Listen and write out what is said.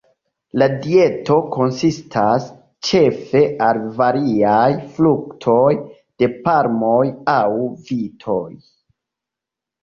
La dieto konsistas ĉefe el variaj fruktoj, de palmoj aŭ vitoj.